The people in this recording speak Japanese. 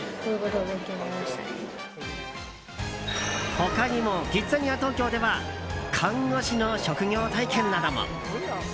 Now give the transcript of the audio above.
他にもキッザニア東京では看護師の職業体験なども。